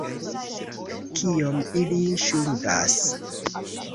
Kiom ili ŝuldas?